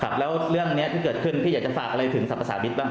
แล้วเรื่องนี้ที่เกิดขึ้นพี่อยากจะฝากอะไรถึงสรรพสามิตรบ้าง